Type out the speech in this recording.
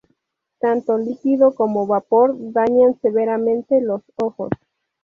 Tanto líquido como vapor dañan severamente los ojos.